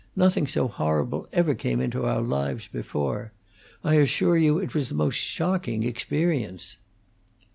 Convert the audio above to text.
Nothing so horrible ever came into our lives before. I assure you it was the most shocking experience."